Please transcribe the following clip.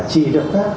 chỉ được phép